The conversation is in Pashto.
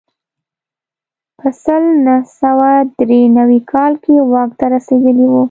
په سل نه سوه درې نوي کال کې واک ته رسېدلی و.